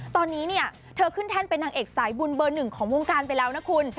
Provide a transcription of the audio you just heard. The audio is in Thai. ตอนนี้เนี่ยเธอขึ้นแท่นเป็นนางเอกสายบุญเบอร์หนึ่งของวงการไปแล้วนะคุณ